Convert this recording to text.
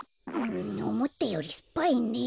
んおもったよりすっぱいね。